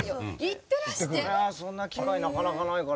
そんな機会なかなかないから。